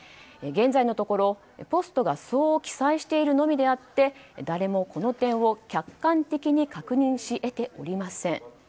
現在のところポストがそう記載しているのみであって誰もこの点を客観的に確認し得ておりません。